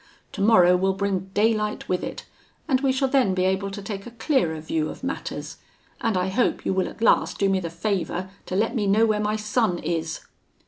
Tomorrow will bring daylight with it, and we shall then be able to take a clearer view of matters; and I hope you will at last do me the favour to let me know where my son is.'